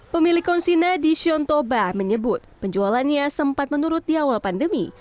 pemilik konsina di shion toba menyebut penjualannya sempat menurut di awal pandemi